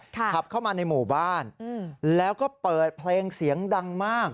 ขับเข้ามาในหมู่บ้านแล้วก็เปิดเพลงเสียงดังมาก